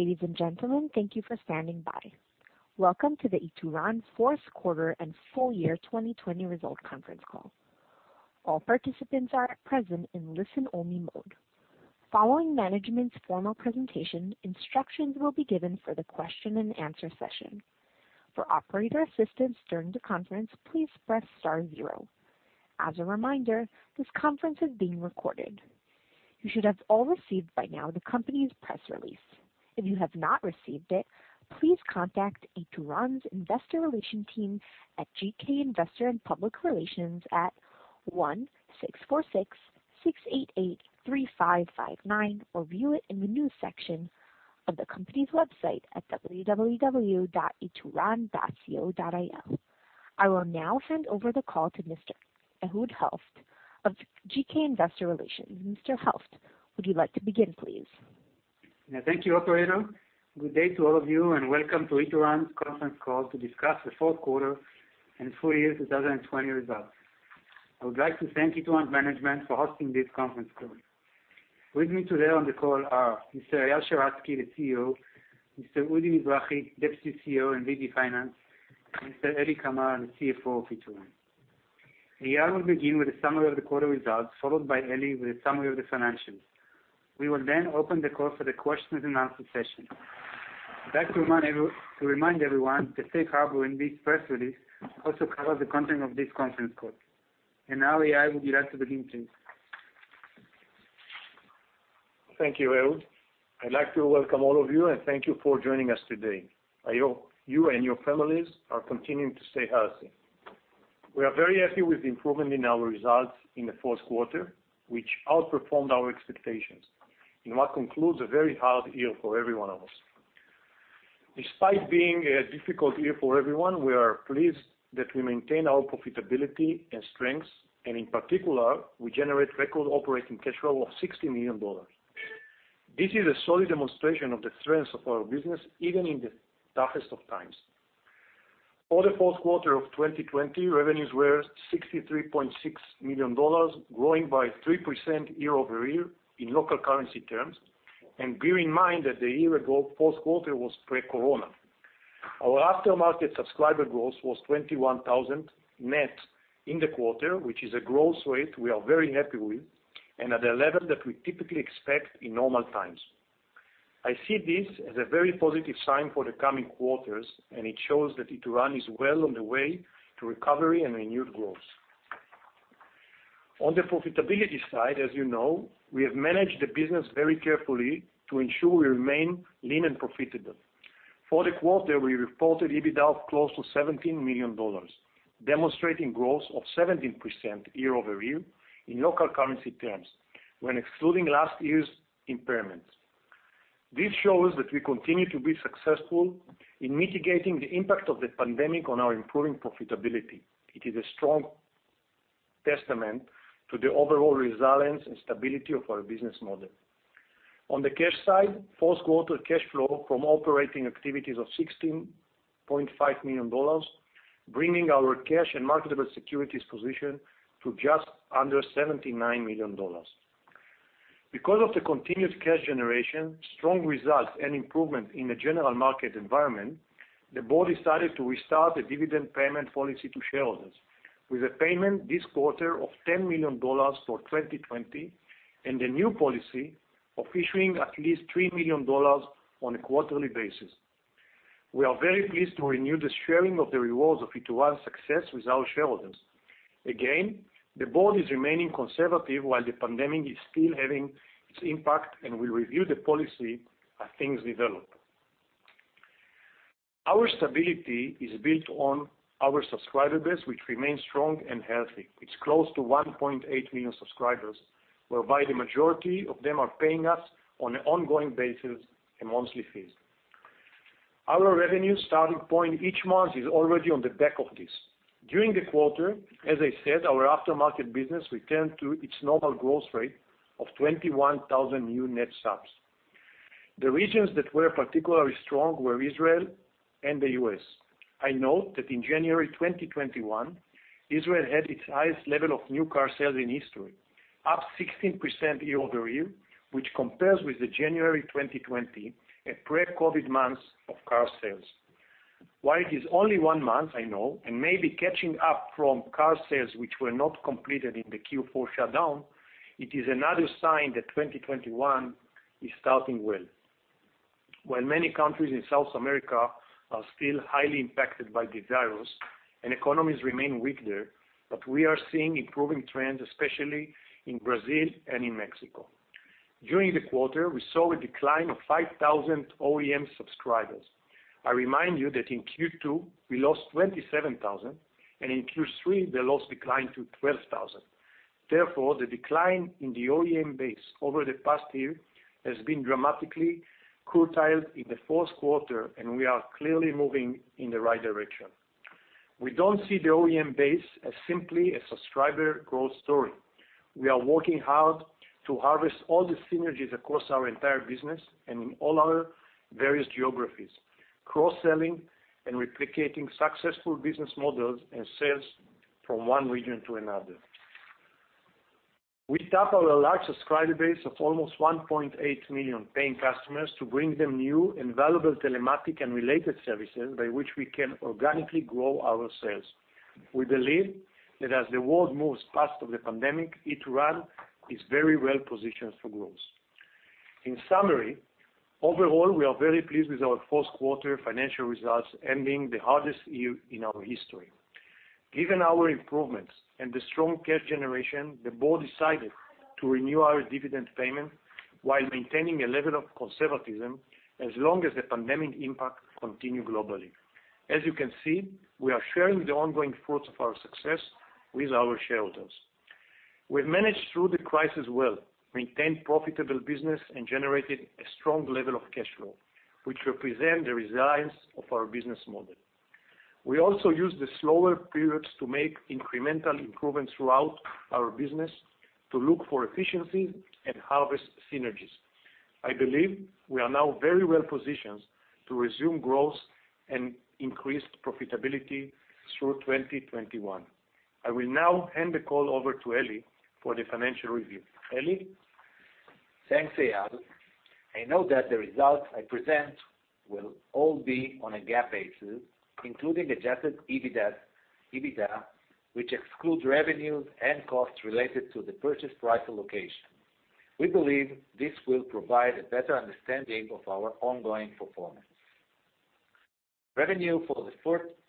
Ladies and gentlemen, thank you for standing by. Welcome to the Ituran fourth quarter and full year 2020 result conference call. All participants are at present in listen-only mode. Following management's formal presentation, instructions will be given for the question and answer session. For operator assistance during the conference, please press star zero. As a reminder, this conference is being recorded. You should have all received by now the company's press release. If you have not received it, please contact Ituran's investor relations team at GK Investor & Public Relations at 1-646-688-3559 or view it in the news section of the company's website at www.ituran.com. I will now hand over the call to Mr. Ehud Helft of GK Investor Relations. Mr. Helft, would you like to begin, please? Thank you, operator. Good day to all of you and welcome to Ituran conference call to discuss the fourth quarter and full year 2020 results. I would like to thank Ituran management for hosting this conference call. With me today on the call are Mr. Eyal Sheratzky, the CEO; Mr. Udi Mizrahi, Deputy CEO and VP Finance; and Mr. Eli Kamer, the CFO of Ituran. Eyal will begin with a summary of the quarter results, followed by Eli with a summary of the financials. We will open the call for the questions and answer session. I'd like to remind everyone the safe harbor in this press release also covers the content of this conference call. Now, Eyal, would you like to begin, please? Thank you, Ehud. I'd like to welcome all of you, and thank you for joining us today. I hope you and your families are continuing to stay healthy. We are very happy with the improvement in our results in the fourth quarter, which outperformed our expectations, in what concludes a very hard year for every one of us. Despite being a difficult year for everyone, we are pleased that we maintain our profitability and strengths, and in particular, we generate record operating cash flow of $60 million. This is a solid demonstration of the strength of our business, even in the toughest of times. For the fourth quarter of 2020, revenues were $63.6 million, growing by 3% year-over-year in local currency terms. Bear in mind that the year-ago fourth quarter was pre-corona. Our aftermarket subscriber growth was 21,000 net in the quarter, which is a growth rate we are very happy with and at a level that we typically expect in normal times. I see this as a very positive sign for the coming quarters, and it shows that Ituran is well on the way to recovery and renewed growth. On the profitability side, as you know, we have managed the business very carefully to ensure we remain lean and profitable. For the quarter, we reported EBITDA of close to $17 million, demonstrating growth of 17% year-over-year in local currency terms when excluding last year's impairments. This shows that we continue to be successful in mitigating the impact of the pandemic on our improving profitability. It is a strong testament to the overall resilience and stability of our business model. On the cash side, fourth quarter cash flow from operating activities of $16.5 million, bringing our cash and marketable securities position to just under $79 million. Because of the continued cash generation, strong results, and improvement in the general market environment, the board decided to restart the dividend payment policy to shareholders with a payment this quarter of $10 million for 2020 and a new policy of issuing at least $3 million on a quarterly basis. We are very pleased to renew the sharing of the rewards of Ituran's success with our shareholders. Again, the board is remaining conservative while the pandemic is still having its impact, and we review the policy as things develop. Our stability is built on our subscriber base, which remains strong and healthy. It is close to 1.8 million subscribers, whereby the majority of them are paying us on an ongoing basis a monthly fee. Our revenue starting point each month is already on the back of this. During the quarter, as I said, our aftermarket business returned to its normal growth rate of 21,000 new net subs. The regions that were particularly strong were Israel and the U.S. I note that in January 2021, Israel had its highest level of new car sales in history, up 16% year-over-year, which compares with the January 2020, a pre-COVID month of car sales. While it is only one month, I know, and may be catching up from car sales which were not completed in the Q4 shutdown, it is another sign that 2021 is starting well. While many countries in South America are still highly impacted by the virus and economies remain weak there, we are seeing improving trends, especially in Brazil and in Mexico. During the quarter, we saw a decline of 5,000 OEM subscribers. I remind you that in Q2, we lost 27,000, and in Q3, the loss declined to 12,000. Therefore, the decline in the OEM base over the past year has been dramatically curtailed in the fourth quarter, and we are clearly moving in the right direction. We don't see the OEM base as simply a subscriber growth story. We are working hard to harvest all the synergies across our entire business and in all our various geographies, cross-selling and replicating successful business models and sales from one region to another. We tap our large subscriber base of almost 1.8 million paying customers to bring them new and valuable telematic and related services by which we can organically grow our sales. We believe that as the world moves past of the pandemic, Ituran is very well-positioned for growth. In summary, overall, we are very pleased with our fourth quarter financial results ending the hardest year in our history. Given our improvements and the strong cash generation, the board decided to renew our dividend payment while maintaining a level of conservatism as long as the pandemic impact continue globally. As you can see, we are sharing the ongoing fruits of our success with our shareholders. We've managed through the crisis well, maintained profitable business, and generated a strong level of cash flow, which represent the resilience of our business model. We also use the slower periods to make incremental improvements throughout our business to look for efficiency and harvest synergies. I believe we are now very well-positioned to resume growth and increased profitability through 2021. I will now hand the call over to Eli for the financial review. Eli? Thanks, Eyal. I know that the results I present will all be on a GAAP basis, including Adjusted EBITDA, which excludes revenues and costs related to the purchase price allocation. We believe this will provide a better understanding of our ongoing performance. Revenue for the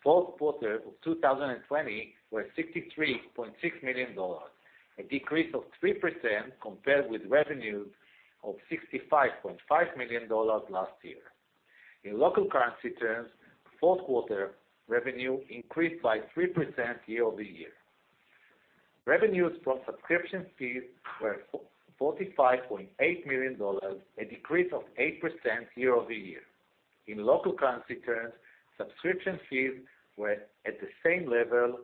fourth quarter of 2020 were $63.6 million, a decrease of 3% compared with revenue of $65.5 million last year. In local currency terms, fourth quarter revenue increased by 3% year-over-year. Revenues from subscription fees were $45.8 million, a decrease of 8% year-over-year. In local currency terms, subscription fees were at the same level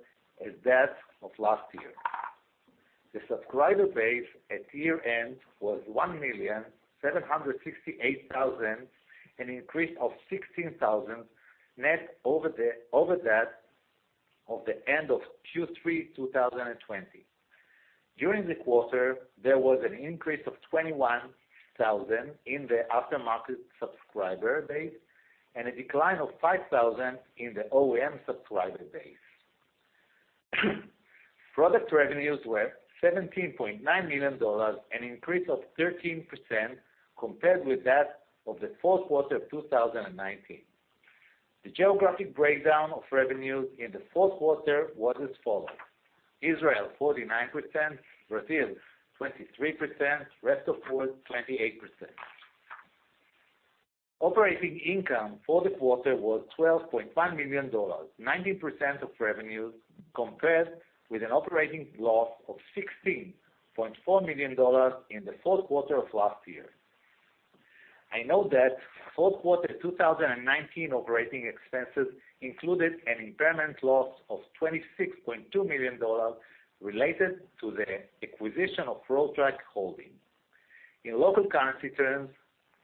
as that of last year. The subscriber base at year-end was 1,768,000, an increase of 16,000 net over that of the end of Q3 2020. During the quarter, there was an increase of 21,000 in the aftermarket subscriber base and a decline of 5,000 in the OEM subscriber base. Product revenues were $17.9 million, an increase of 13% compared with that of the fourth quarter of 2019. The geographic breakdown of revenues in the fourth quarter was as follows: Israel 49%, Brazil 23%, rest of world 28%. Operating income for the quarter was $12.5 million, 19% of revenues, compared with an operating loss of $16.4 million in the fourth quarter of last year. I know that fourth quarter 2019 operating expenses included an impairment loss of $26.2 million related to the acquisition of Road Track Holding. In local currency terms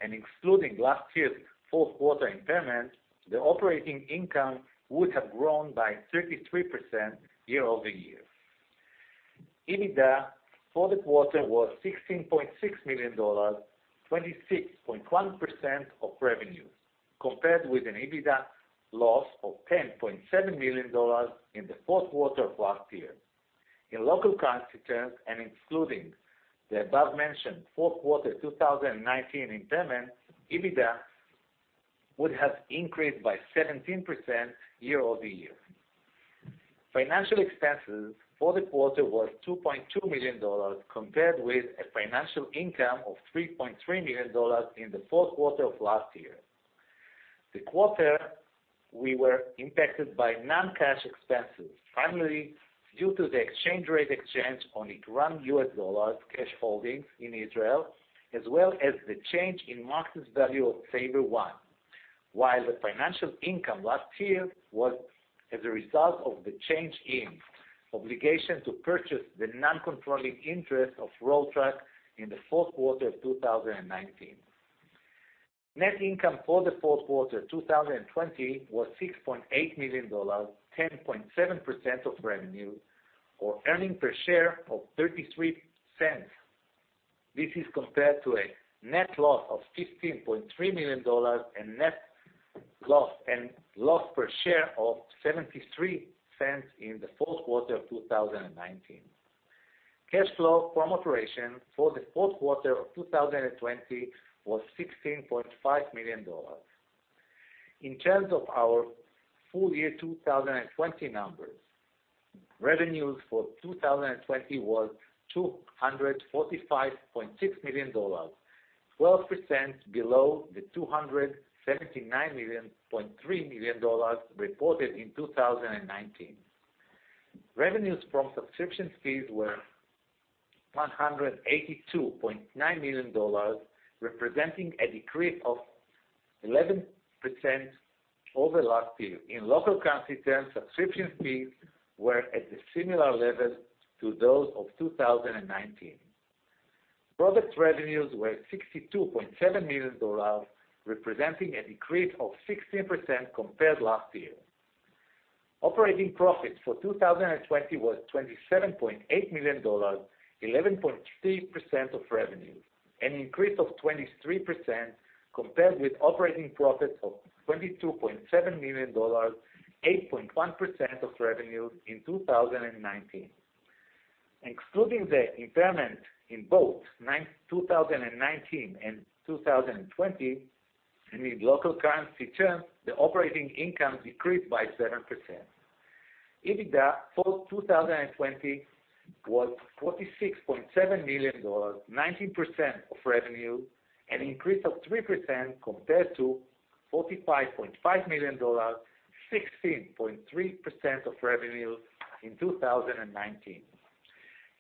and excluding last year's fourth quarter impairment, the operating income would have grown by 33% year-over-year. EBITDA for the quarter was $16.6 million, 26.1% of revenues, compared with an EBITDA loss of $10.7 million in the fourth quarter of last year. In local currency terms and excluding the above-mentioned fourth quarter 2019 impairment, EBITDA would have increased by 17% year-over-year. Financial expenses for the quarter was $2.2 million, compared with a financial income of $3.3 million in the fourth quarter of last year. The quarter, we were impacted by non-cash expenses, primarily due to the exchange rate expense on Ituran U.S. dollars cash holdings in Israel, as well as the change in market value of SaverOne. While the financial income last year was as a result of the change in obligation to purchase the non-controlling interest of Road Track in the fourth quarter of 2019. Net income for the fourth quarter 2020 was $6.8 million, 10.7% of revenue or earning per share of $0.33. This is compared to a net loss of $15.3 million and loss per share of $0.73 in the fourth quarter of 2019. Cash flow from operation for the fourth quarter of 2020 was $16.5 million. In terms of our full year 2020 numbers, revenues for 2020 was $245.6 million, 12% below the $279.3 million reported in 2019. Revenues from subscription fees were $182.9 million, representing a decrease of 11% over last year. In local currency terms, subscription fees were at a similar level to those of 2019. Product revenues were $62.7 million, representing a decrease of 16% compared last year. Operating profits for 2020 was $27.8 million, 11.3% of revenue, an increase of 23% compared with operating profits of $22.7 million, 8.1% of revenue in 2019. Excluding the impairment in both 2019 and 2020, in the local currency terms, the operating income decreased by 7%. EBITDA for 2020 was $46.7 million, 19% of revenue, an increase of 3% compared to $45.5 million, 16.3% of revenue in 2019.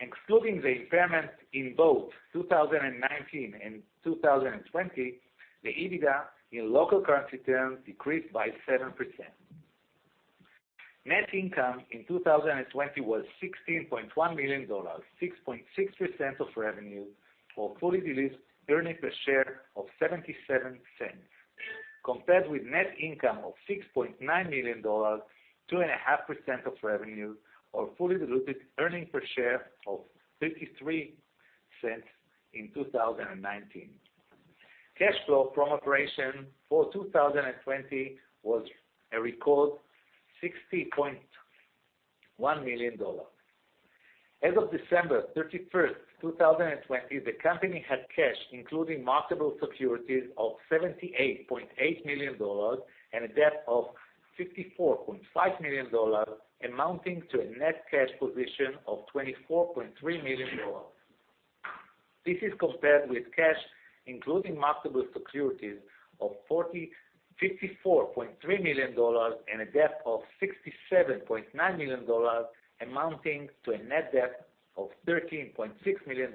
Excluding the impairment in both 2019 and 2020, the EBITDA in local currency terms decreased by 7%. Net income in 2020 was $16.1 million, 6.6% of revenue or fully diluted earning per share of $0.77, compared with net income of $6.9 million, 2.5% of revenue or fully diluted earning per share of $0.53 in 2019. Cash flow from operation for 2020 was a record $60.1 million. As of December 31st, 2020, the company had cash, including marketable securities, of $78.8 million and a debt of $54.5 million, amounting to a net cash position of $24.3 million. This is compared with cash, including marketable securities of $54.3 million and a debt of $67.9 million, amounting to a net debt of $13.6 million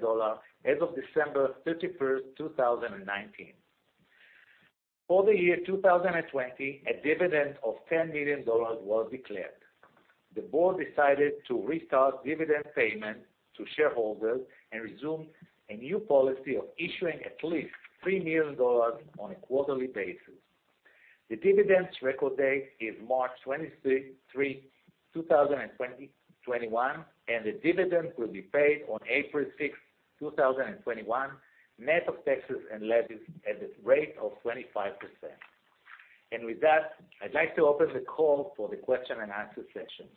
as of December 31st, 2019. For the year 2020, a dividend of $10 million was declared. The board decided to restart dividend payment to shareholders and resume a new policy of issuing at least $3 million on a quarterly basis. The dividend's record date is March 23rd, 2021, and the dividend will be paid on April 6th, 2021, net of taxes and levies at the rate of 25%. With that, I'd like to open the call for the question and answer session.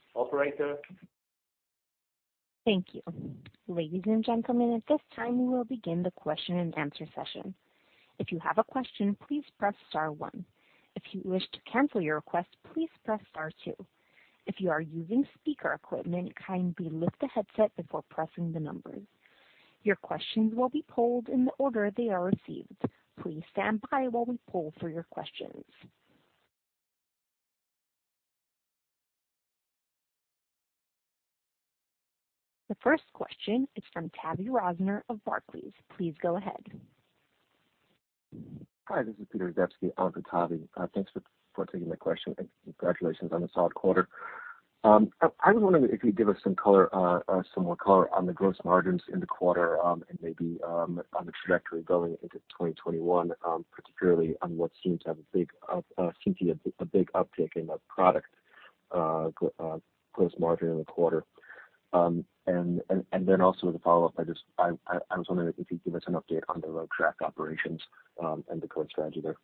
Operator? Thank you. Ladies and gentlemen, at this time, we will begin the question and answer session. If you have a question, please press star one. If you wish to cancel your request, please press star two. If you are using speaker equipment, kindly lift the headset before pressing the numbers. Your questions will be polled in the order they are received. Please stand by while we poll for your questions. The first question is from Tavy Rosner of Barclays. Please go ahead. Hi, this is Peter Zdebski on for Tavy. Thanks for taking my question, congratulations on the solid quarter. I was wondering if you could give us some more color on the gross margins in the quarter, and maybe, on the trajectory going into 2021, particularly on what seemed to have a big uptick in the product gross margin in the quarter. Also the follow-up, I was wondering if you could give us an update on the Road Track operations, and the current strategy there.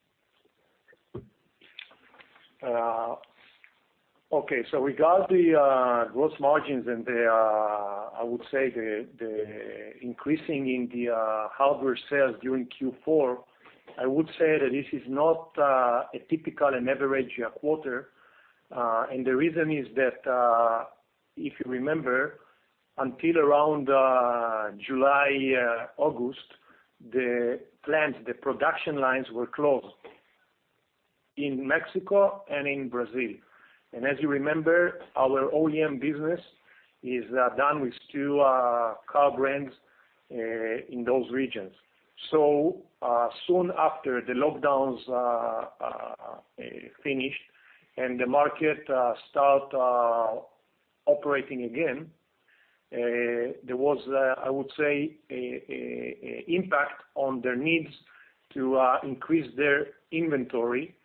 Okay. Regarding the gross margins and the, I would say the increasing in the hardware sales during Q4, I would say that this is not a typical and average quarter. The reason is that, if you remember, until around July, August, the plants, the production lines were closed in Mexico and in Brazil. As you remember, our OEM business is done with two car brands in those regions. Soon after the lockdowns finished and the market start operating again, there was, I would say, impact on their needs to increase their inventory,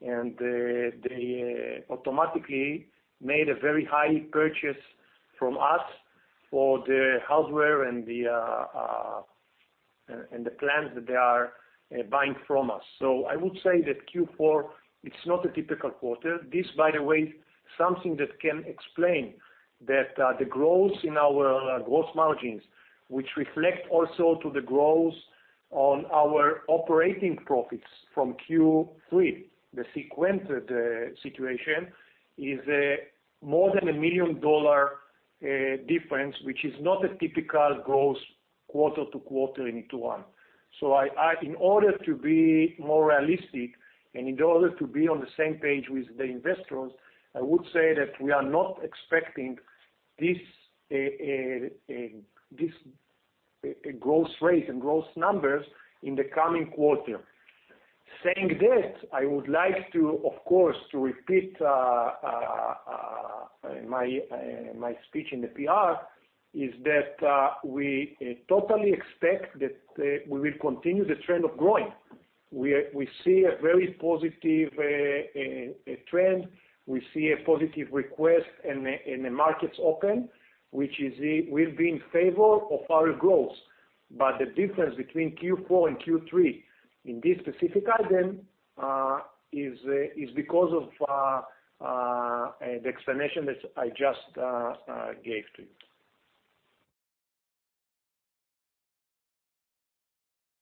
and they automatically made a very high purchase from us for the hardware and the parts that they are buying from us. I would say that Q4, it's not a typical quarter. This, by the way, something that can explain that the growth in our gross margins, which reflect also to the growth on our operating profits from Q3. The sequenced situation is more than $1 million difference, which is not a typical gross quarter to quarter into one. In order to be more realistic and in order to be on the same page with the investors, I would say that we are not expecting this growth rate and growth numbers in the coming quarter. Saying that, I would like to, of course, to repeat my speech in the PR, is that we totally expect that we will continue the trend of growing. We see a very positive trend. We see a positive request in the markets open, which will be in favor of our growth. The difference between Q4 and Q3 in this specific item, is because of the explanation that I just gave to you.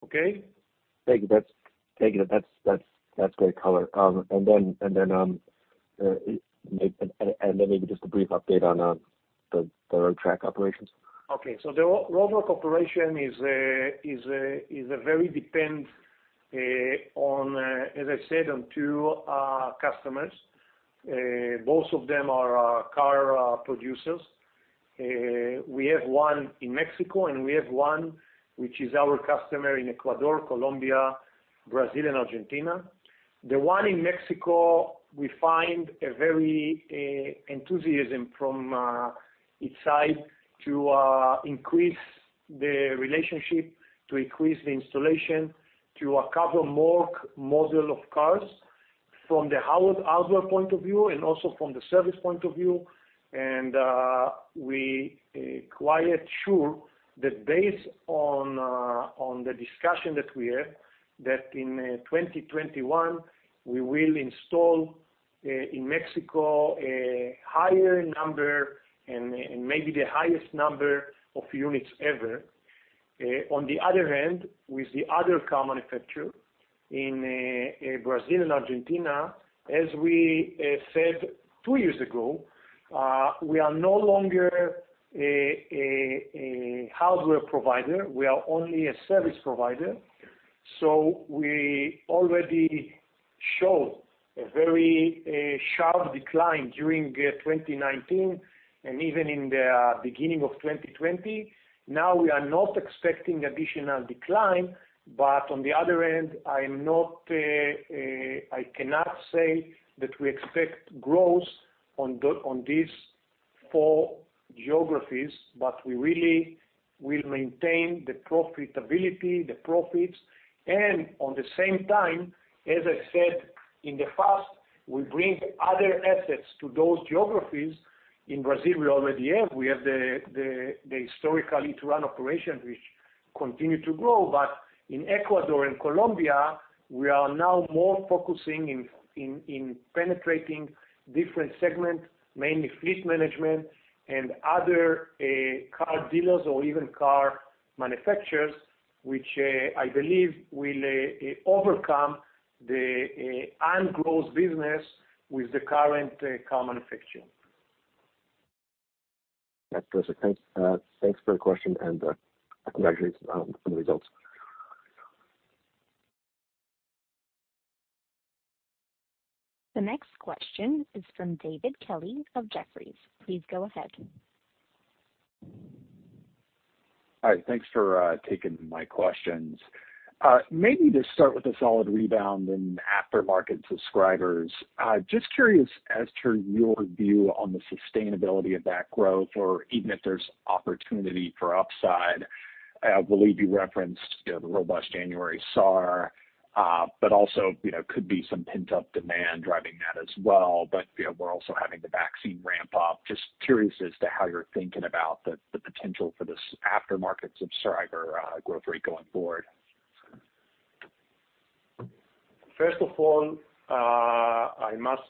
Okay. Thank you. That's great color. Maybe just a brief update on the Road Track operations. Okay. The Road Track operation very depend, as I said, on two customers. Both of them are car producers. We have one in Mexico, and we have one, which is our customer in Ecuador, Colombia, Brazil, and Argentina. The one in Mexico, we find a very enthusiasm from its side to increase the relationship, to increase the installation, to cover more model of cars from the hardware point of view and also from the service point of view. We quite sure that based on the discussion that we had, that in 2021, we will install in Mexico a higher number and maybe the highest number of units ever. On the other hand, with the other car manufacturer in Brazil and Argentina, as we said two years ago, we are no longer a hardware provider. We are only a service provider. We already showed a very sharp decline during 2019 and even in the beginning of 2020. We are not expecting additional decline, on the other end, I cannot say that we expect growth on these four geographies, we really will maintain the profitability, the profits, and on the same time, as I said in the past, we bring other assets to those geographies. In Brazil, we already have. We have the historical Ituran operation, which continue to grow. In Ecuador and Colombia, we are now more focusing in penetrating different segments, mainly fleet management and other car dealers or even car manufacturers, which I believe will overcome the un-growth business with the current car manufacturer. That's perfect. Thanks for the question, and congratulations on the results. The next question is from David Kelley of Jefferies. Please go ahead. Hi. Thanks for taking my questions. Maybe just start with the solid rebound in aftermarket subscribers. Just curious as to your view on the sustainability of that growth or even if there's opportunity for upside. I believe you referenced the robust January SAR, but also could be some pent-up demand driving that as well. We're also having the vaccine ramp up. Just curious as to how you're thinking about the potential for this aftermarket subscriber growth rate going forward. First of all, I must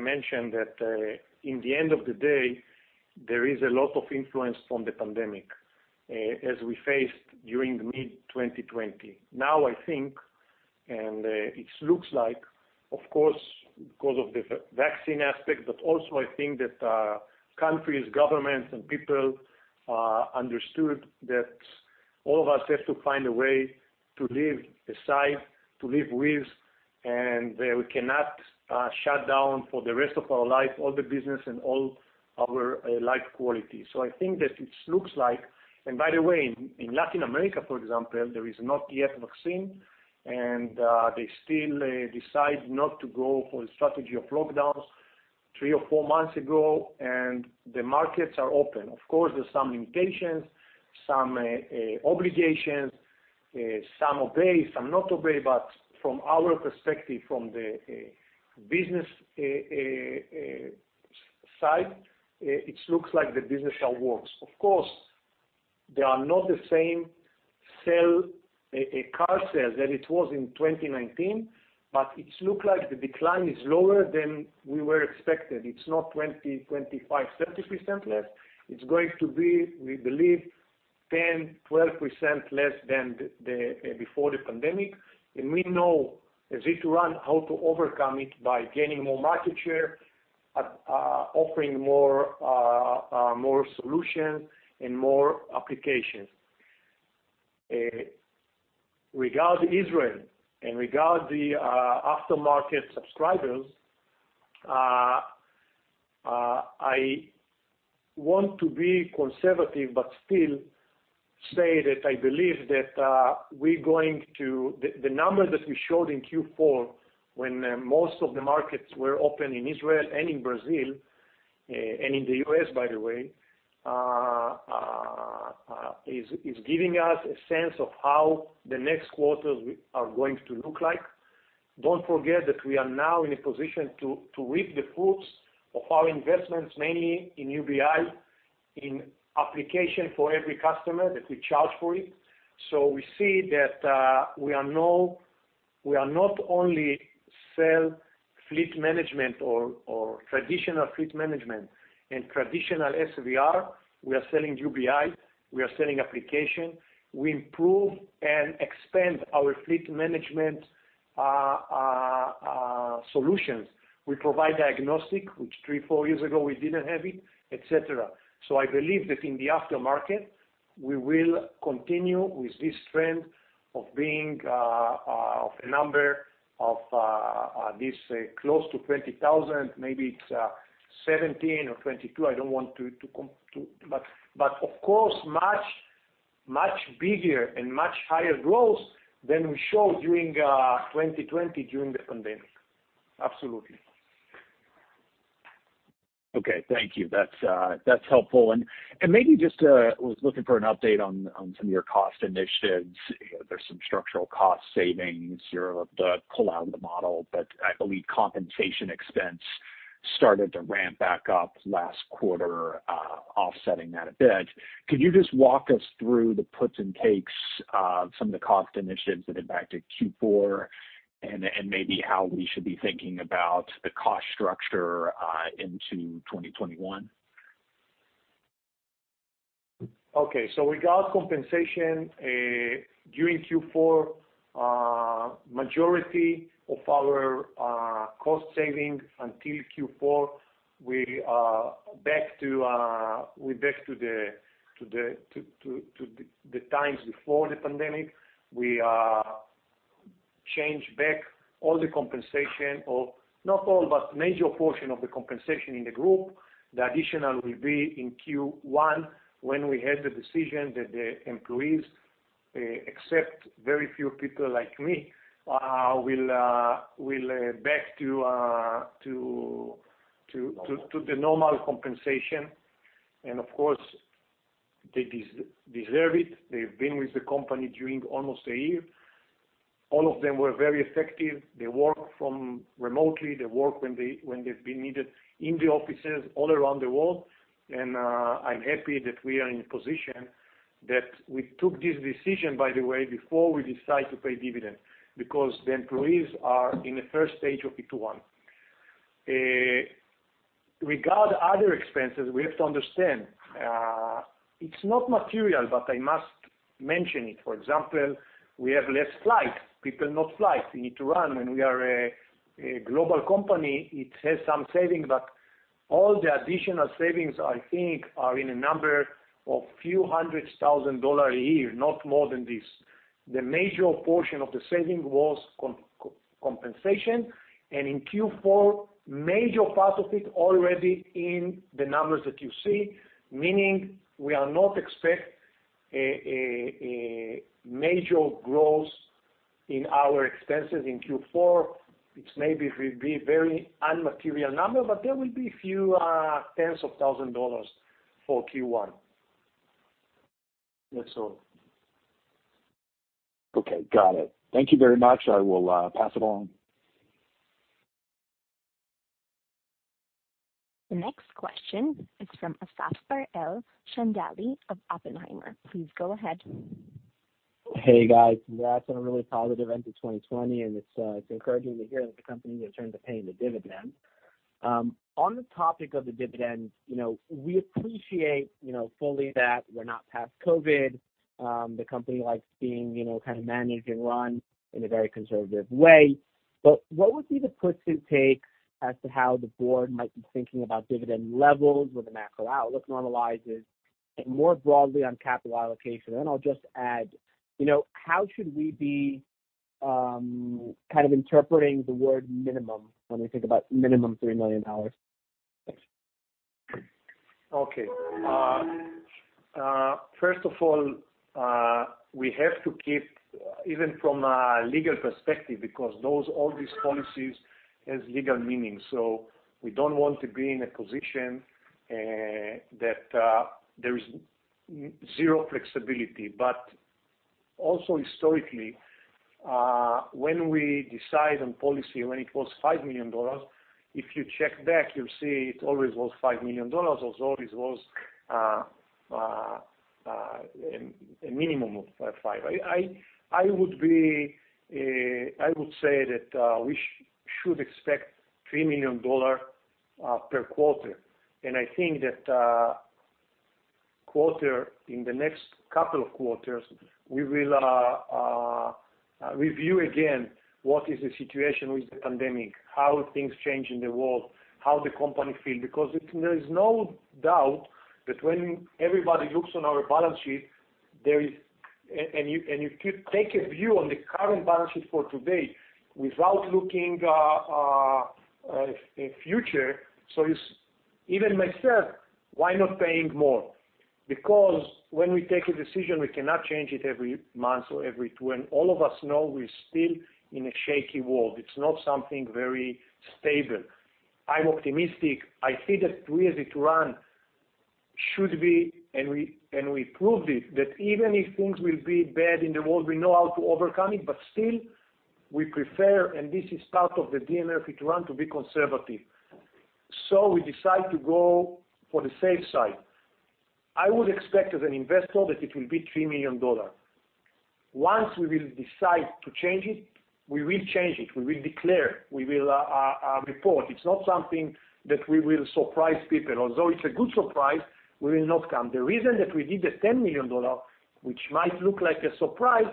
mention that, in the end of the day, there is a lot of influence from the pandemic, as we faced during mid-2020. Now I think, and it looks like, of course, because of the vaccine aspect, but also I think that countries, governments, and people understood that all of us have to find a way to live aside, to live with, and we cannot shut down for the rest of our life, all the business and all our life quality. I think that it looks like. By the way, in Latin America, for example, there is not yet vaccine, and they still decide not to go for a strategy of lockdowns three or four months ago, and the markets are open. Of course, there's some limitations, some obligations, some obey, some not obey. From our perspective, from the business side, it looks like the business shall work. Of course, they are not the same car sales that it was in 2019, but it looks like the decline is lower than we were expected. It's not 20%, 25%, 30% less. It's going to be, we believe, 10%, 12% less than before the pandemic. We know as Ituran how to overcome it by gaining more market share, offering more solutions and more applications. Regarding Israel and regarding the aftermarket subscribers, I want to be conservative but still say that I believe that the numbers that we showed in Q4 when most of the markets were open in Israel and in Brazil and in the U.S., by the way, is giving us a sense of how the next quarters are going to look like. Don't forget that we are now in a position to reap the fruits of our investments, mainly in UBI, in application for every customer that we charge for it. We see that we are not only sell fleet management or traditional fleet management and traditional SVR. We are selling UBI, we are selling application. We improve and expand our fleet management solutions. We provide diagnostic, which three, four years ago we didn't have it, et cetera. I believe that in the aftermarket, we will continue with this trend of being, of a number of this close to 20,000, maybe it's 17,000 or 22,000. Of course, much bigger and much higher growth than we show during 2020, during the pandemic. Okay. Thank you. That's helpful. Maybe just, was looking for an update on some of your cost initiatives. There's some structural cost savings you're pulled out of the model. I believe compensation expense started to ramp back up last quarter, offsetting that a bit. Could you just walk us through the puts and takes of some of the cost initiatives that impacted Q4 and maybe how we should be thinking about the cost structure into 2021? Okay. Regard compensation, during Q4, majority of our cost saving until Q4, we are back to the times before the pandemic. We change back all the compensation, or not all, but major portion of the compensation in the group. The additional will be in Q1 when we had the decision that the employees, except very few people like me, will back to the normal compensation. Of course, they deserve it. They've been with the company during almost a year. All of them were very effective. They work from remotely. They work when they've been needed in the offices all around the world. I'm happy that we are in a position that we took this decision, by the way, before we decide to pay dividend, because the employees are in the first stage of Ituran. Regarding other expenses, we have to understand, it's not material, but I must mention it. For example, we have less flight. People not flight in Ituran, and we are a global company. It has some saving, but all the additional savings, I think, are in a number of few hundred thousand dollar a year, not more than this. The major portion of the saving was compensation. In Q4, major part of it already in the numbers that you see, meaning we are not expect a major growth in our expenses in Q4. It maybe will be very immaterial number, but there will be few tens of thousand dollars for Q1. That's all. Okay. Got it. Thank you very much. I will pass it on. The next question is from Asaf Barel Chandali of Oppenheimer. Please go ahead. Hey, guys. Congrats on a really positive end to 2020, and it's encouraging to hear that the company will return to paying the dividend. On the topic of the dividend, we appreciate fully that we're not past COVID. The company likes being managed and run in a very conservative way. What would be the puts and takes as to how the board might be thinking about dividend levels when the macro outlook normalizes, and more broadly on capital allocation? I'll just add, how should we be interpreting the word minimum when we think about minimum $3 million? Thanks. Okay. First of all, we have to keep even from a legal perspective, because those, all these policies, has legal meaning. We don't want to be in a position that there is zero flexibility. Also historically, when we decide on policy when it was $5 million, if you check back, you will see it always was $5 million, or always was a minimum of five. I would say that we should expect $3 million per quarter. I think that quarter, in the next couple of quarters, we will review again what is the situation with the pandemic, how things change in the world, how the company feel. There is no doubt that when everybody looks on our balance sheet, and you take a view on the current balance sheet for today without looking in future. Even myself, why not paying more? When we take a decision, we cannot change it every month or every two. All of us know we're still in a shaky world. It's not something very stable. I'm optimistic. I see that we, as Ituran, should be, and we proved it, that even if things will be bad in the world, we know how to overcome it, still, we prefer, and this is part of the DNA of Ituran, to be conservative. We decide to go for the safe side. I would expect as an investor that it will be $3 million. Once we will decide to change it, we will change it. We will declare, we will report. It's not something that we will surprise people. Although it's a good surprise, we will not come. The reason that we did the $10 million, which might look like a surprise,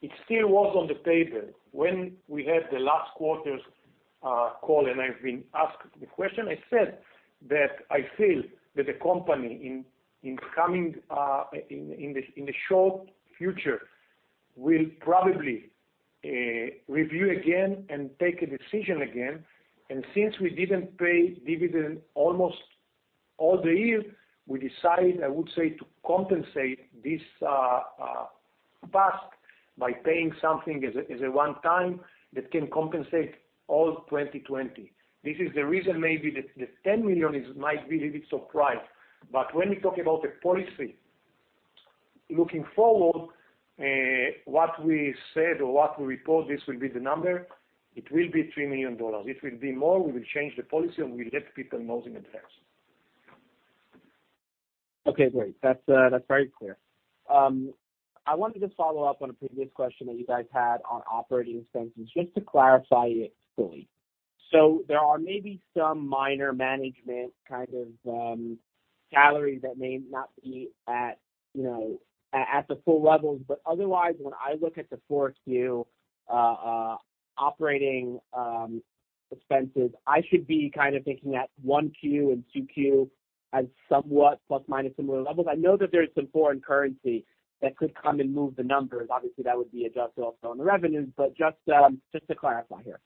it still was on the table. When we had the last quarter's call, I've been asked the question, I said that I feel that the company, in the short future, will probably review again and take a decision again. Since we didn't pay dividend almost all the year, we decide, I would say, to compensate this past by paying something as a one-time that can compensate all 2020. This is the reason maybe that the $10 million might be a little bit surprised. When we talk about the policy, looking forward, what we said or what we report, this will be the number. It will be $3 million. If it will be more, we will change the policy, we will let people know it in advance. Okay, great. That's very clear. I wanted to follow up on a previous question that you guys had on operating expenses, just to clarify it fully. There are maybe some minor management kind of salaries that may not be at the full levels. Otherwise, when I look at the Q4 operating expenses, I should be kind of thinking that Q1 and Q2 as somewhat plus/minus similar levels. I know that there's some foreign currency that could come and move the numbers. That would be adjusted also on the revenues, but just to clarify here.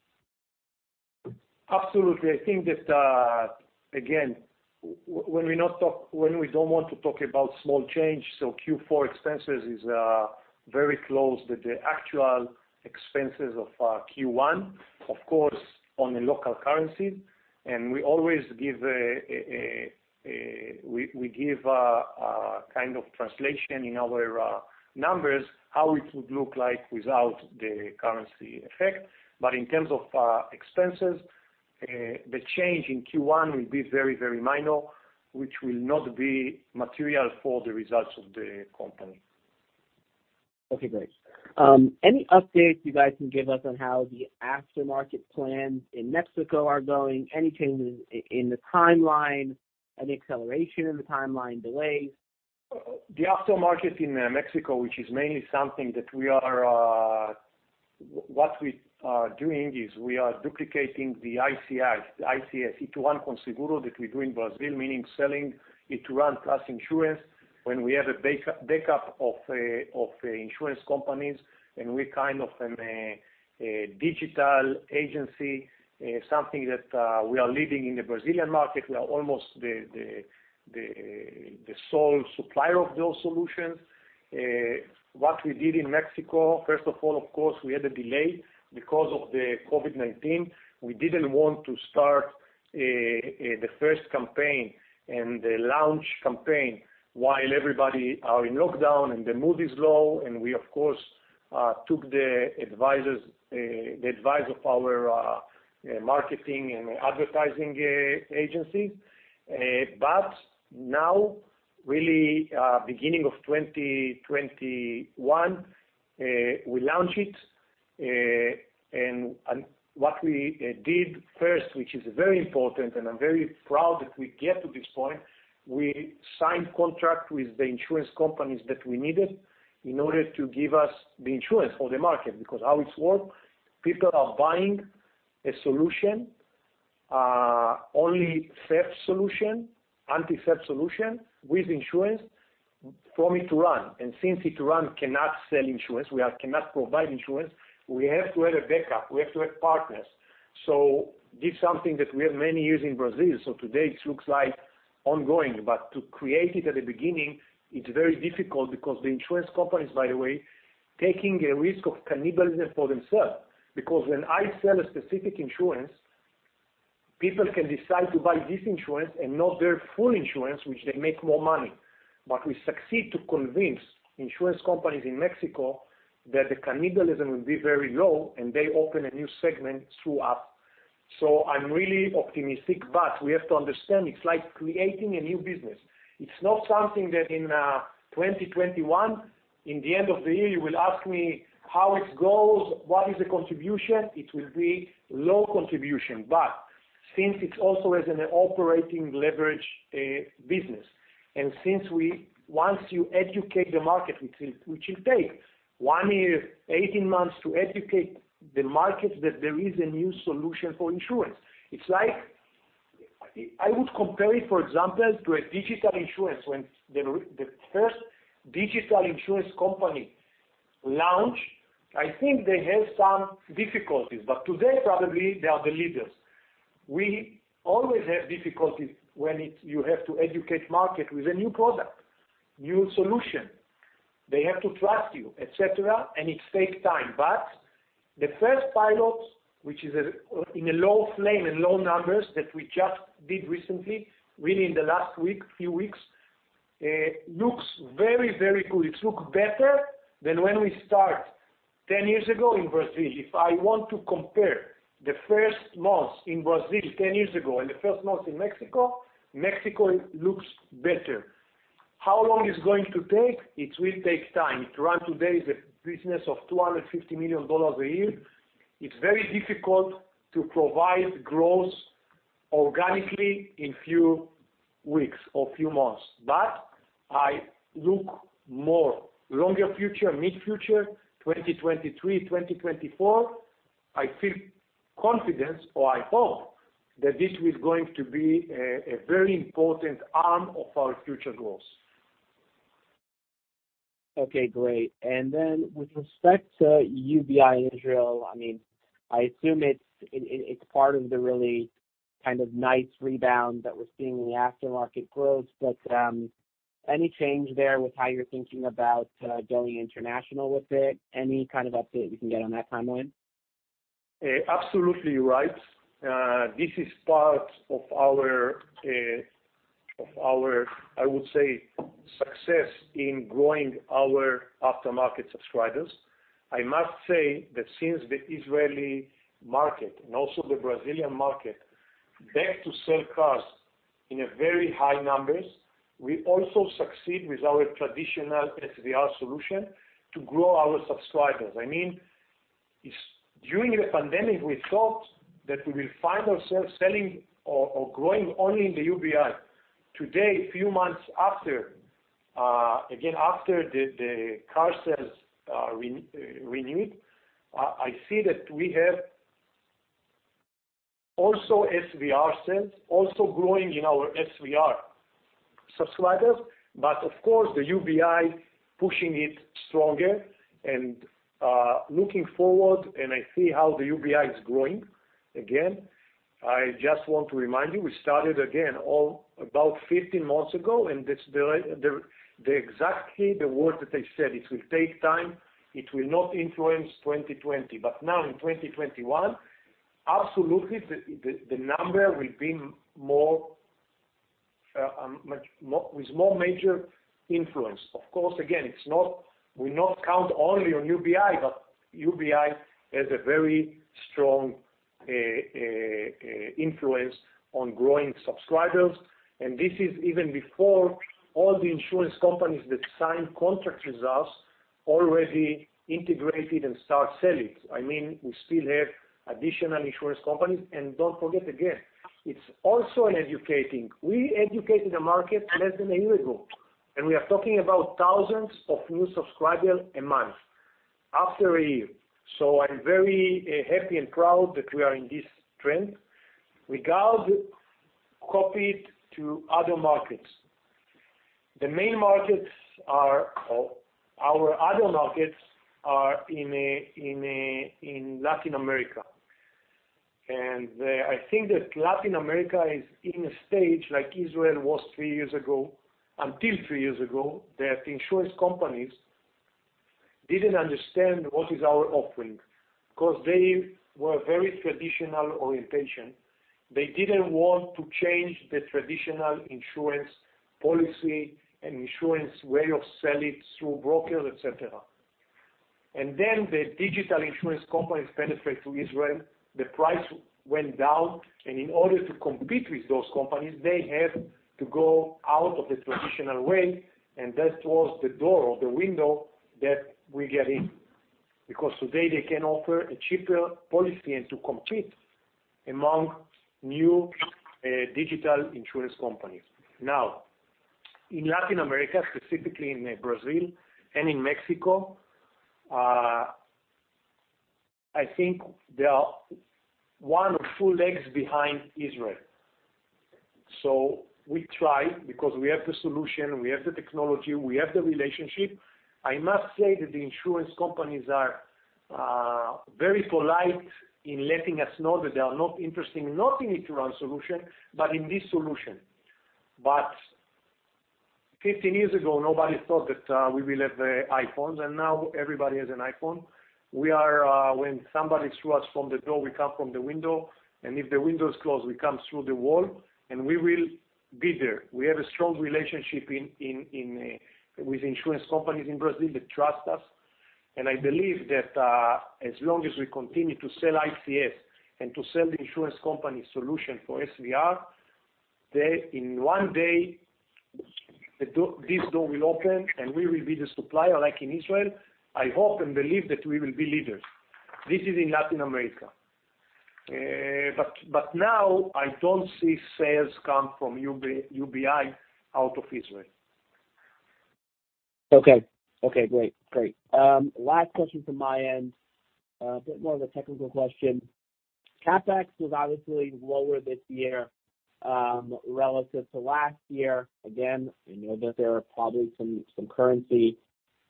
Absolutely. I think that, again, when we don't want to talk about small change, Q4 expenses is very close to the actual expenses of Q1, of course, on a local currency. We always give a kind of translation in our numbers, how it would look like without the currency effect. In terms of expenses, the change in Q1 will be very minor, which will not be material for the results of the company. Okay, great. Any updates you guys can give us on how the aftermarket plans in Mexico are going? Any changes in the timeline? Any acceleration in the timeline? Delays? The aftermarket in Mexico, which is mainly something that we are doing is we are duplicating the ICI, Ituran com Seguro that we do in Brazil, meaning selling Ituran plus insurance when we have a backup of insurance companies, and we're kind of a digital agency, something that we are leading in the Brazilian market. We are almost the sole supplier of those solutions. What we did in Mexico, first of all, of course, we had a delay because of the COVID-19. We didn't want to start the first campaign and the launch campaign while everybody are in lockdown and the mood is low, and we, of course, took the advice of our marketing and advertising agencies. Now, really, beginning of 2021, we launch it. What we did first, which is very important, and I'm very proud that we get to this point, we signed contract with the insurance companies that we needed in order to give us the insurance for the market. How it work, people are buying a solution, only theft solution, anti-theft solution with insurance from Ituran. Since Ituran cannot sell insurance, we cannot provide insurance, we have to have a backup. We have to have partners. This is something that we have many years in Brazil. Today it looks like ongoing, but to create it at the beginning, it's very difficult because the insurance companies, by the way, taking a risk of cannibalism for themselves. When I sell a specific insurance, people can decide to buy this insurance and not their full insurance, which they make more money. We succeed to convince insurance companies in Mexico that the cannibalism will be very low, and they open a new segment through us. I'm really optimistic, but we have to understand, it's like creating a new business. It's not something that in 2021, in the end of the year, you will ask me how it goes, what is the contribution? It will be low contribution. Since it's also as an operating leverage business, and since Once you educate the market, which will take one year, 18 months to educate the market that there is a new solution for insurance. It's like, I would compare it, for example, to a digital insurance, when the first digital insurance company launched, I think they have some difficulties, but today probably they are the leaders. We always have difficulties when you have to educate market with a new product, new solution. They have to trust you, et cetera, and it takes time. The first pilot, which is in a low flame and low numbers that we just did recently, really in the last week, few weeks, looks very, very good. It looks better than when we start 10 years ago in Brazil. If I want to compare the first months in Brazil 10 years ago and the first months in Mexico looks better. How long it's going to take? It will take time. Ituran, today, is a business of $250 million a year. It's very difficult to provide growth organically in few weeks or few months. I look more longer future, mid-future, 2023, 2024, I feel confidence, or I hope, that this is going to be a very important arm of our future growth. Okay, great. With respect to UBI Israel, I assume it's part of the really kind of nice rebound that we're seeing in the aftermarket growth. Any change there with how you're thinking about going international with it? Any kind of update you can get on that timeline? Absolutely right. This is part of our, I would say, success in growing our aftermarket subscribers. I must say that since the Israeli market and also the Brazilian market, back to sell cars in a very high numbers, we also succeed with our traditional SVR solution to grow our subscribers. During the pandemic, we thought that we will find ourselves selling or growing only in the UBI. Today, few months after the car sales renewed, I see that we have also SVR sales, also growing in our SVR subscribers. Of course, the UBI pushing it stronger and, looking forward, and I see how the UBI is growing. Again, I just want to remind you, we started again about 15 months ago, and exactly the words that I said, it will take time, it will not influence 2020. Now in 2021, absolutely, the number will be with more major influence. Of course, again, we not count only on UBI, but UBI has a very strong influence on growing subscribers, and this is even before all the insurance companies that signed contracts with us already integrated and start selling. We still have additional insurance companies, and don't forget, again, it's also an educating. We educated the market less than a year ago, and we are talking about thousands of new subscribers a month, after a year. I'm very happy and proud that we are in this trend. Regarding copied to other markets. Our other markets are in Latin America. I think that Latin America is in a stage like Israel was three years ago, until three years ago, that insurance companies didn't understand what is our offering because they were very traditional orientation. They didn't want to change the traditional insurance policy and insurance way of selling through brokers, et cetera. Then the digital insurance companies penetrate to Israel, the price went down, and in order to compete with those companies, they have to go out of the traditional way, and that was the door or the window that we get in. Today they can offer a cheaper policy and to compete among new digital insurance companies. In Latin America, specifically in Brazil and in Mexico, I think they are one or two legs behind Israel. We try because we have the solution, we have the technology, we have the relationship. I must say that the insurance companies are very polite in letting us know that they are not interested, not in Ituran solution, but in this solution. 15 years ago, nobody thought that we will have iPhones, and now everybody has an iPhone. When somebody threw us from the door, we come from the window, and if the window is closed, we come through the wall, and we will be there. We have a strong relationship with insurance companies in Brazil that trust us. I believe that, as long as we continue to sell ICI and to sell the insurance company solution for SVR, in one day, this door will open, and we will be the supplier like in Israel. I hope and believe that we will be leaders. This is in Latin America. Now, I don't see sales come from UBI out of Israel. Okay, great. Last question from my end, a bit more of a technical question. CapEx was obviously lower this year relative to last year. Again, I know that there are probably some currency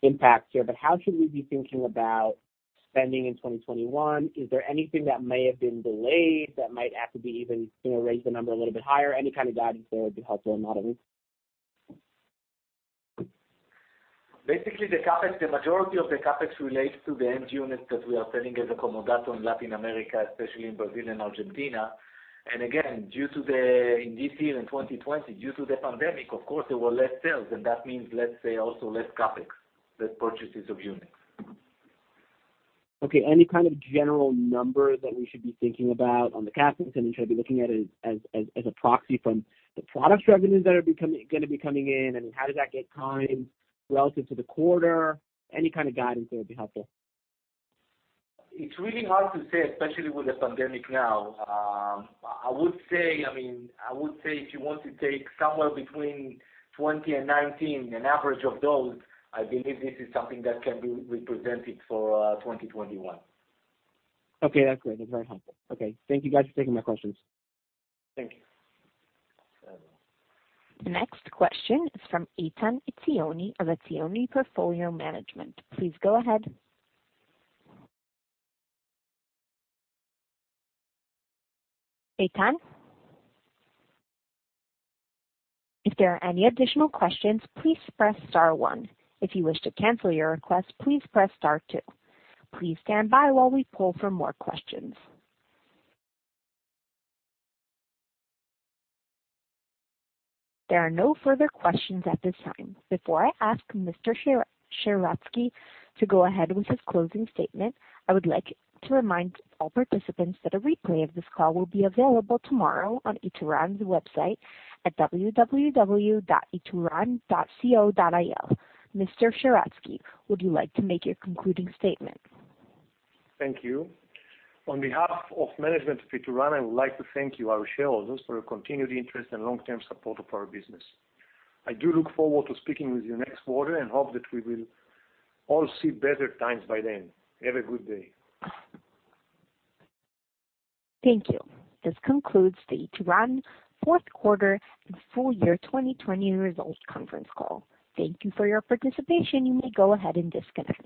impacts here. How should we be thinking about spending in 2021? Is there anything that may have been delayed that might have to even raise the number a little bit higher? Any kind of guidance there would be helpful in modeling. Basically, the majority of the CapEx relates to the MG units that we are selling as a comodato in Latin America, especially in Brazil and Argentina. Again, in this year, in 2020, due to the pandemic, of course, there were less sales, and that means, let's say, also less CapEx, less purchases of units. Okay. Any kind of general number that we should be thinking about on the CapEx, and we should be looking at it as a proxy from the products revenues that are going to be coming in? I mean, how does that get timed relative to the quarter? Any kind of guidance there would be helpful. It's really hard to say, especially with the pandemic now. I would say, if you want to take somewhere between 2020 and 2019, an average of those, I believe this is something that can be represented for 2021. That's great. That's very helpful. Thank you guys for taking my questions. Thank you. The next question is from Ethan Etzioni of Etzioni Portfolio Management. Please go ahead. Ethan? If there are any additional questions, please press star one. If you wish to cancel your request, please press star two. Please stand by while we pull for more questions. There are no further questions at this time. Before I ask Mr. Sheratzky to go ahead with his closing statement, I would like to remind all participants that a replay of this call will be available tomorrow on Ituran's website at www.ituran.com. Mr. Sheratzky, would you like to make your concluding statement? Thank you. On behalf of management of Ituran, I would like to thank you, our shareholders, for your continued interest and long-term support of our business. I do look forward to speaking with you next quarter and hope that we will all see better times by then. Have a good day. Thank you. This concludes the Ituran fourth quarter and full year 2020 results conference call. Thank you for your participation. You may go ahead and disconnect.